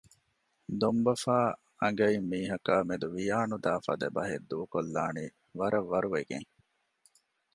ދޮންބަފާ އަނގައިން މީހަކާ މެދު ވިޔާނުދާ ފަދަ ބަހެއް ދޫކޮށްލާނީ ވަރަށް ވަރުވެގެން